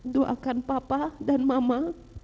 doakan papa dan mama